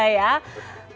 terima kasih banyak bapak